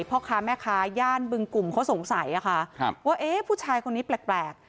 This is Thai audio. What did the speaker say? พ่อค้าแม่ค้าย่านบึงกุ่มเขาสงสัยว่าผู้ชายคนนี้แปลก